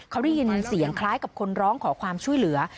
เขาได้ยินเสียงคล้ายกับคนร้องขอความช่วยเหลือ